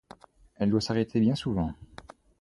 Elle doit s’arrêter bien souvent.